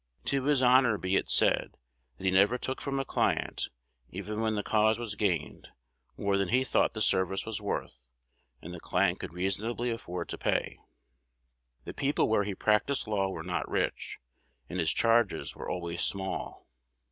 "To his honor be it said, that he never took from a client, even when the cause was gained, more than he thought the service was worth and the client could reasonably afford to pay. The people where he practised law were not rich, and his charges were always small.